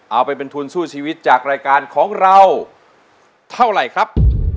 เอาไปเป็นทุนสู้ชีวิตจากรายการของเราเท่าไหร่ครับ